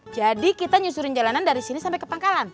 jadi kita nyusurin jalanan dari sini sampai ke pangkalan